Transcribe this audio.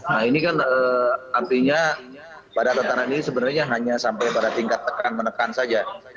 nah ini kan artinya pada tatanan ini sebenarnya hanya sampai pada tingkat tekan menekan saja